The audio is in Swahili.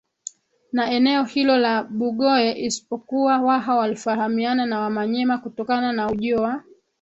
na eneo hilo la Bugoye Ispokuwa Waha walifahamiana na Wamanyema kutokana na ujio wa